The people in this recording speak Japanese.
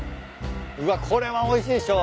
うわこれはおいしいっしょ。